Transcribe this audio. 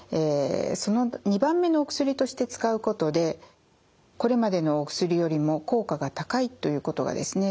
その２番目のお薬として使うことでこれまでのお薬よりも効果が高いということがですね